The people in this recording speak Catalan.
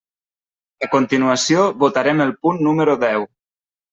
A continuació votarem el punt número deu.